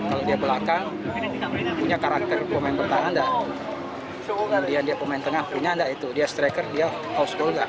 kalau dia belakang punya karakter pemain bertahan dia pemain tengah dia striker dia house goal